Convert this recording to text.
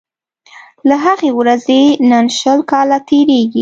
له هغې ورځي نن شل کاله تیریږي